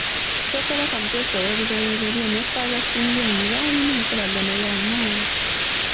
Ssekabaka Muteesa ow'oluberyeberye ne Ffaaza Simeon baalina enkolagana ya maanyi.